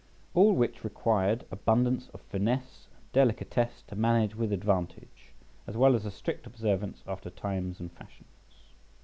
All which required abundance of finesse and delicatesse to manage with advantage, as well as a strict observance after times and fashions.